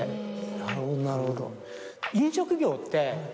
なるほどなるほど。